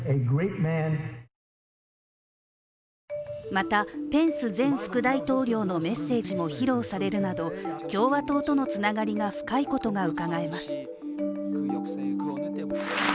またペンス前副大統領のメッセージも披露されるなど共和党とのつながりが深いことがうかがえます。